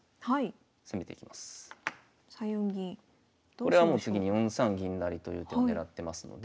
これはもう次に４三銀成という手を狙ってますので。